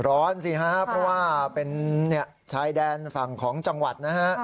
สิครับเพราะว่าเป็นชายแดนฝั่งของจังหวัดนะฮะ